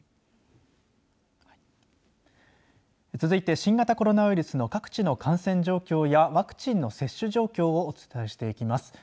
続いて新型コロナウイルスの各地の感染状況やワクチンの接種状況をお伝えしていきます。